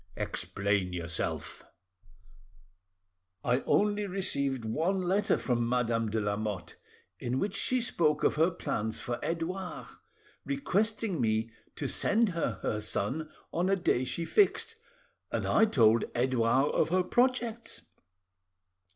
"Explain yourself." "I only received one letter from Madame de Lamotte, in which she spoke of her plans for Edouard, requesting me to send her her son on a day she fixed, and I told Edouard of her projects.